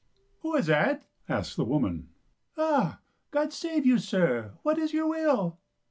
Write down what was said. " Who is that ?" asked the woman. " Ah, God save you, sir, what is your will